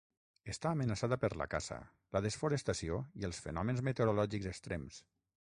Està amenaçada per la caça, la desforestació i els fenòmens meteorològics extrems.